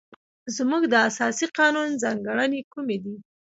زموږ د اساسي قانون ځانګړنې کومې دي؟